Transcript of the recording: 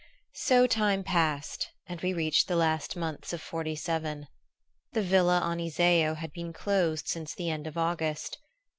So time passed and we reached the last months of '47. The villa on Iseo had been closed since the end of August.